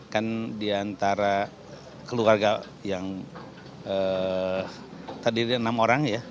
kan diantara keluarga yang terdiri enam orang ya